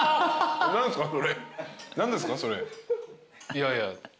いやいや。